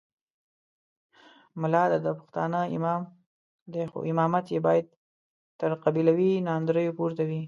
ملا د پښتانه امام دی خو امامت یې باید تر قبیلوي ناندریو پورته وي.